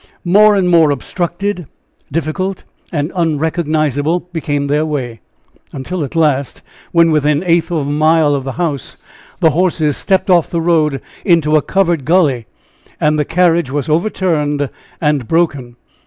More and more obstructed, difficult and unrecognizable became their way, until at last, when within an eighth of a mile from the house, the horses stepped off the road into a covered gully, and the carriage was over turned and broken.